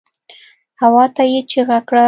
هواته يې چيغه کړه.